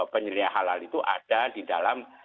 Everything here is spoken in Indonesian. penilai halal itu ada di dalam